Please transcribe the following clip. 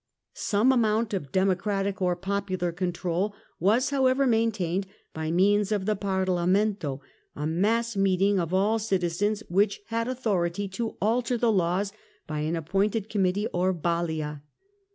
Some amount of democratic or popular control was how ever maintained, by means of the Parlarnento, a mass meeting of all the citizens, which had authority to alter the laws by an appointed Committee or Balia.